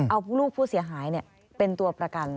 เอาลูกผู้เสียหายเป็นตัวประกัน